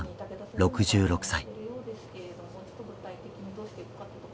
６６歳。